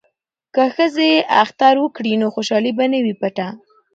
که ښځې اختر وکړي نو خوشحالي به نه وي پټه.